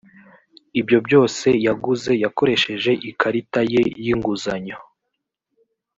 ibyo byose yaguze yakoresheje ikarita ye y’inguzanyo